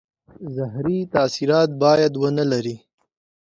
زهري تاثیرات باید ونه لري.